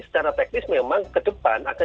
secara teknis memang ke depan akan